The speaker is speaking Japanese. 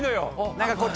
何かこっち。